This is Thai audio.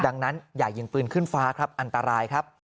ดังนั้นอย่ายิงปืนขึ้นฟ้าครับอันตรายครับ